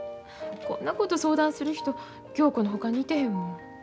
こんなこと相談する人恭子のほかにいてへんもん。